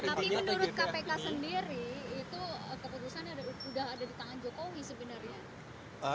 tapi menurut kpk sendiri itu keputusannya sudah ada di tangan jokowi sebenarnya